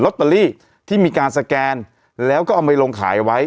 ตเตอรี่ที่มีการสแกนแล้วก็เอาไปลงขายไว้